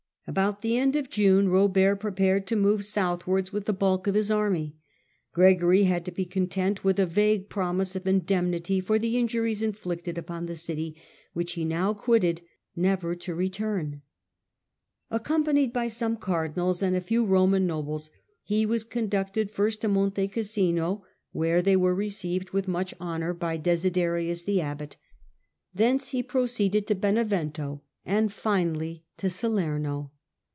About the end of June Robert prepared to move southwards with the bulk of his army. Gregory had to Gregory ^® contont with a vague promise of indemnity quits Rome f^p ^Jjq injuries inflicted upon the city, which he now quitted never to return. Accompanied by some cardinals, and a few Roman nobles, he was conducted first to Monte Cassino^ where they were received with Digitized by VjOOQIC The Last Years of Gregory VII. 151 mnch bonour, by Desiderius the abbot ; thence he pi o ceeded to Benevento, and finally to Salerno.